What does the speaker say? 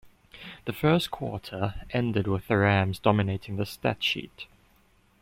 The first quarter ended with the Rams dominating the stat sheet.